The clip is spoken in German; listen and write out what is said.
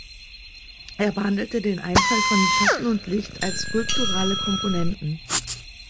Er behandelte den Einfall von Schatten und Licht als skulpturale Komponenten.